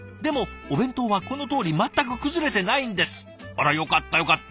あらよかったよかった。